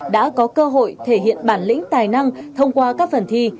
đã có cơ hội thể hiện bản lĩnh tài năng thông qua các phần thi